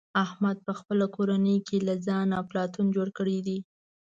احمد په خپله کورنۍ کې له ځانه افلاطون جوړ کړی دی.